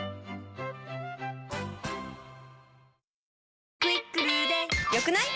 ニトリ「『クイックル』で良くない？」